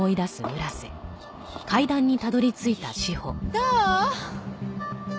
どう？